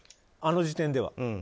あの時点では。